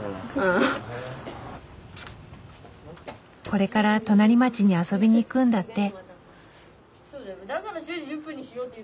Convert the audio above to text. これから隣町に遊びにいくんだって。